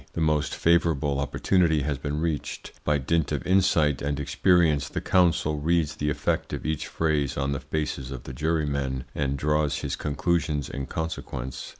The most favourable opportunity has been reached. By dint of insight and experience the counsel reads the effect of each phrase on the faces of the jurymen, and draws his conclusions in consequence.